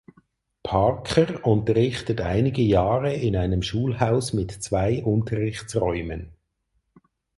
Parker unterrichtet einige Jahre in einem Schulhaus mit zwei Unterrichtsräumen.